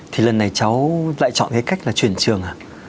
thì lần này cháu lại chọn cái cách là chuyển trường